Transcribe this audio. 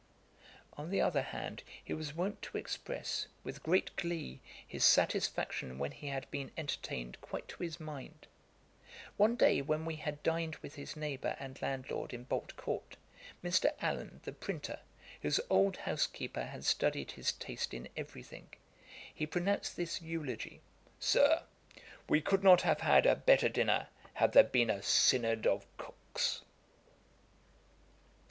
On the other hand, he was wont to express, with great glee, his satisfaction when he had been entertained quite to his mind. One day when we had dined with his neighbour and landlord in Bolt court, Mr. Allen, the printer, whose old housekeeper had studied his taste in every thing, he pronounced this eulogy: 'Sir, we could not have had a better dinner had there been a Synod of Cooks.'